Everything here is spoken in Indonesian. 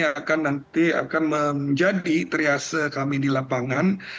akan nanti akan menjadi teriase kami di lapangan